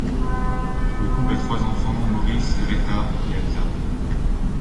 Le couple a trois enfants, Maurice, Greta et Elsa.